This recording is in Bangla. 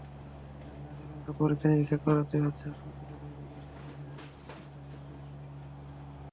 শিশুদের অধিকাংশ পরীক্ষা-নিরীক্ষা করাতে হচ্ছে হাসপাতালের বাইরে বেসরকারি ডায়াগনস্টিক সেন্টার থেকে।